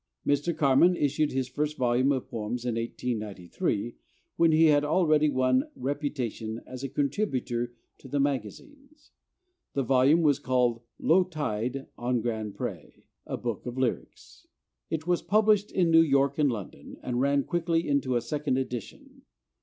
Mr. Carman issued his first volume of poems in 1893, when he had already won reputation as a contributor to the magazines. The volume was called 'Low Tide on Grand Pré: a Book of Lyrics.' It was published in New York and London, and ran quickly into a second edition.